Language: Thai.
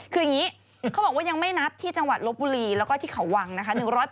คืออย่างนี้เขาบอกว่ายังไม่นับที่จังหวัดลบบุรีแล้วก็ที่เขาวังนะคะ